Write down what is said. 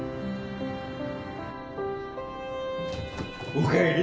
おかえり！